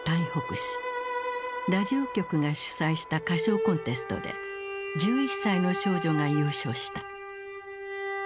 ラジオ局が主催した歌唱コンテストで１１歳の少女が優勝した。